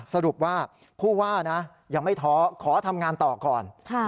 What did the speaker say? สรุปว่าผู้ว่านะยังไม่ท้อขอทำงานต่อก่อน